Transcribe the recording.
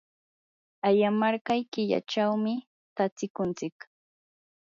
ayamarqay killachawmi tatsikuntsik.